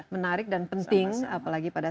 menarik dan penting apalagi pada